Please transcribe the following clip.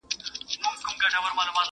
واک د زړه مي عاطفو ته ورکړ ځکه,